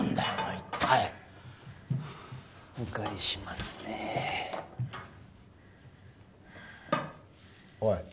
一体お借りしますねおい